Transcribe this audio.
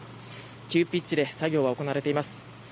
急ピッチで作業が行われています。